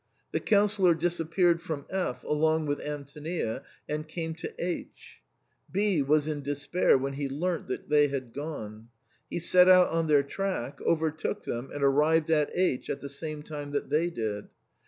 The Councillor disappeared from F along with Antonia, and came to H . B was in despair when he learnt that they had gone. He set out on their track, overtook them, and arrived at H at the same time that they did.